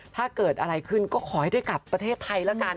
ถ้าเกิดอะไรขึ้นก็ขอให้ได้กลับประเทศไทยแล้วกัน